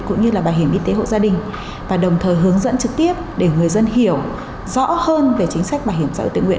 cũng như là bảo hiểm y tế hộ gia đình và đồng thời hướng dẫn trực tiếp để người dân hiểu rõ hơn về chính sách bảo hiểm xã hội tự nguyện